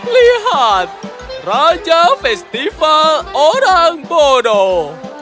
lihat raja festival orang bodoh